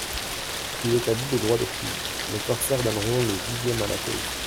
Il établit le droit des prises ; les corsaires donneront le dixième à la cause.